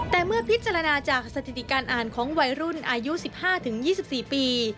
แต่เมื่อพิจารณาจากสถิติการอ่านของวัยรุ่นอายุ๑๕๒๔ปี